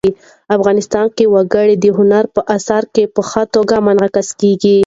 افغانستان کې وګړي د هنر په اثار کې په ښه توګه منعکس کېږي.